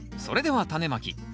それではタネまき。